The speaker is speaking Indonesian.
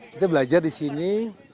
kita belajar di sini